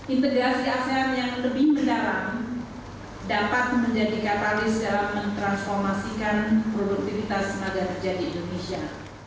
integrasi asean yang lebih mendalam dapat menjadi katalis dalam mentransformasikan produktivitas tenaga kerja di indonesia